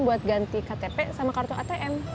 buat ganti ktp sama kartu atm